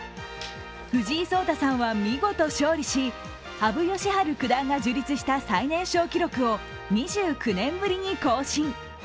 藤井聡太さんは見事勝利し、羽生善治九段が樹立した最年少記録を２９年ぶりに更新。